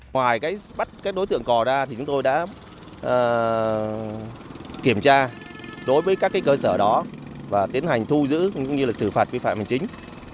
ngoài bắt đối tượng cò ra thì chúng tôi đã kiểm tra đối với các cơ sở đó và tiến hành thu giữ cũng như xử phạt vi phạm hành chính